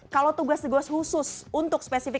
kalau tugas tugas khusus untuk spesifik